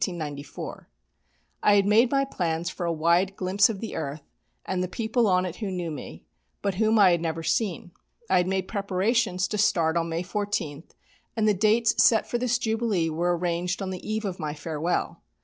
I had made my plans for a wide glimpse of the earth and the people on it who knew me, but whom I had never seen. I had made preparations to start on May 14, and the dates set for this jubilee were arranged on the eve of my farewell.